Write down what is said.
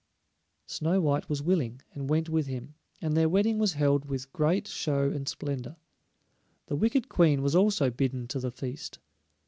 Snow white was willing, and went with him, and their wedding was held with great show and splendor. The wicked Queen was also bidden to the feast.